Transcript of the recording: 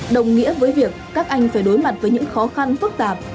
đồng nghĩa với việc các anh phải đối mặt với những khó khăn phức tạp